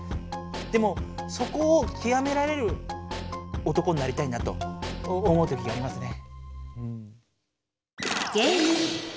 でもそこをきわめられる男になりたいなと思うときがありますね。